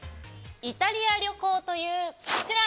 イタリア旅行というこちら。